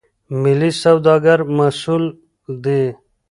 ملي سوداګر مسئول دي.